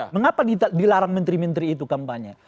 mengapa dilarang menteri menteri itu kampanye